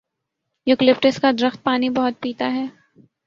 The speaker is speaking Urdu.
یوکلپٹس کا درخت پانی بہت پیتا ہے۔